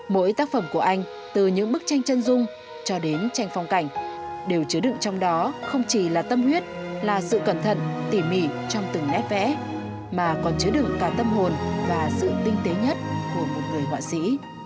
mỗi tác phẩm của anh từ những bức tranh chân dung cho đến tranh phong cảnh đều chứa đựng trong đó không chỉ là tâm huyết là sự cẩn thận tỉ mỉ trong từng nét vẽ mà còn chứa đựng cả tâm hồn và sự tinh tế nhất của một người họa sĩ